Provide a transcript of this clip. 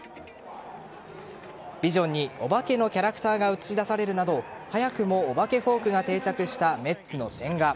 ビジョンにお化けのキャラクターが映し出されるなど早くもお化けフォークが定着したメッツの千賀。